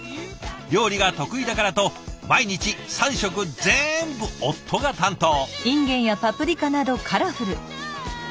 料理が得意だからと毎日３食ぜんぶ夫が担当。